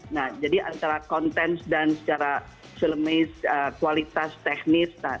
nah jadi antara konten dan secara filmis kualitas teknis